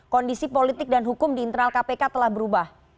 kondisi politik dan hukum di internal kpk telah berubah